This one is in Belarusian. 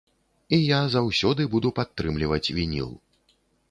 І я заўсёды буду падтрымліваць вініл.